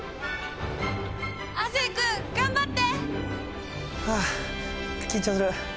亜生君頑張って！はあ緊張する。